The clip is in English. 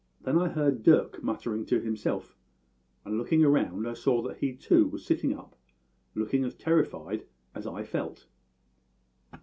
"Then I heard Dirk muttering to himself, and looking round I saw that he too was sitting up, looking as terrified as I felt.